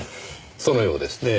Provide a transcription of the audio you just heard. そのようですねぇ。